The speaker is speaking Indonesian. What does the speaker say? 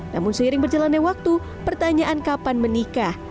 namun seiring berjalannya waktu pertanyaan kapan menikah